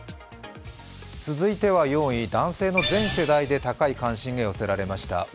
続いては４位、男性の全世代で高い関心が寄せられました。